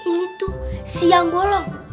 ini tuh siang bolong